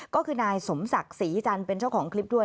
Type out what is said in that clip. ก็คือนายสมศักดิ์ศรีจันทร์เป็นเจ้าของคลิปด้วย